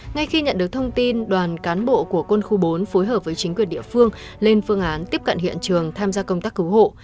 ngay khi nhận được thông tin đoàn cán bộ của quân khu bốn phối hợp với chính quyền địa phương lên phương án tiếp cận hiện trường tham gia công tác cứu hộ